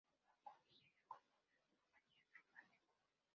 Bongo y ella componen un ballet romántico.